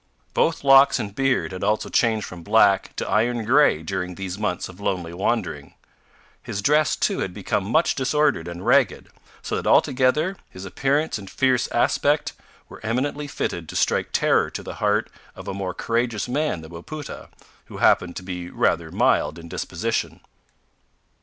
Both locks and beard had also changed from black to iron grey during these months of lonely wandering. His dress, too, had become much disordered and ragged, so that altogether his appearance and fierce aspect were eminently fitted to strike terror to the heart of a more courageous man than Wapoota, who happened to be rather mild in disposition.